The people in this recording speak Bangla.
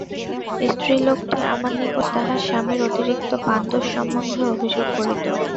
স্ত্রীলোকটি আমার নিকট তাহার স্বামীর অতিরিক্ত পানদোষ-সম্বন্ধে অভিযোগ করিত।